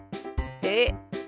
えっ？